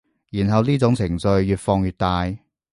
然後呢種情緒越放越大